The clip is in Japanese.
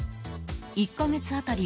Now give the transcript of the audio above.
１か月当たり